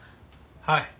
はい。